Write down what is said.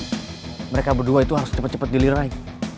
tunggu aja mereka berdua itu harus cepet cepet dilirai